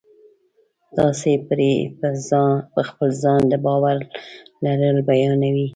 تاسې پرې په خپل ځان د باور لرل بیانوئ